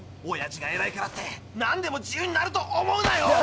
おやじがえらいからってなんでも自由になると思うなよ！